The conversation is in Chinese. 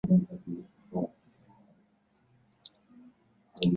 薄膜的拉伸导致样品分子和拉伸方向取向一致。